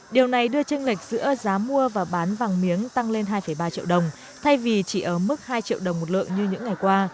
điều này đưa tranh lệch giữa giá mua và bán vàng miếng tăng lên hai ba triệu đồng thay vì chỉ ở mức hai triệu đồng một lượng như những ngày qua